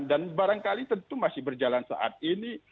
barangkali tentu masih berjalan saat ini